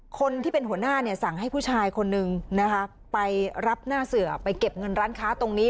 คนที่เป็นหัวหน้าเนี่ยสั่งให้ผู้ชายคนนึงนะคะไปรับหน้าเสือไปเก็บเงินร้านค้าตรงนี้